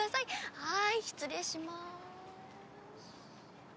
はい失礼します。